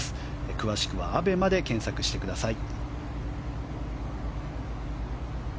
詳しくはＡＢＥＭＡで検索してください。